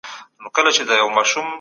باورونه باید په پوهه باندې بیا ورغول سي.